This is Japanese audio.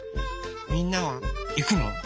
みんなはいくの？